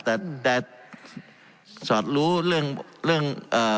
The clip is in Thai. แต่ได้สอดรู้เรื่อง